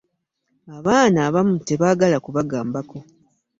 Abaana abamu tebaagala kubagambako.